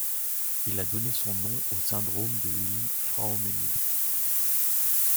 Il a donné son nom au syndrome de Li-Fraumeni.